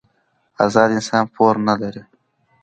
ازاد انسان پور نه لري.